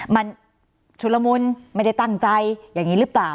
มันชุดละมุนไม่ได้ตั้งใจอย่างนี้หรือเปล่า